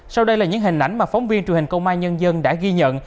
sau đây là những hình ảnh mà phóng viên truyền hình công an nhân dân đã ghi nhận